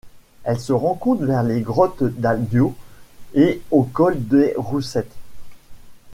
Elle se rencontre vers les grottes d'Adio et au col des Roussettes.